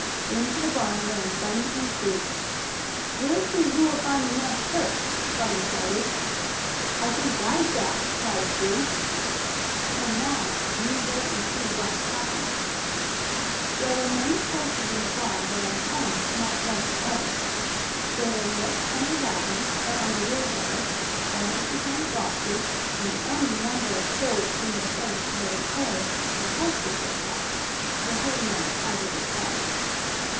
Into the barn ran Bunny and Sue. "We'll see who'll find the nest first!" Bunny shouted. "I think I shall," cried Sue. And now you wait and see what happens. There were many places in the barn where a hen might lay her eggs. There were nooks under wagons, or under wheelbarrows, corners behind boxes, and any number of holes in the place where the hay for the horses was kept the haymow, as it is called.